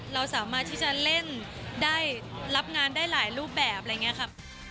เราสามารถที่จะเล่นได้รับงานได้หลายรูปแบบอะไรอย่างนี้ครับ